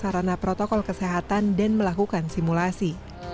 meninjau sarana dan prasarana protokol kesehatan dan melakukan simulasi